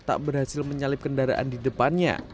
tak berhasil menyalip kendaraan di depannya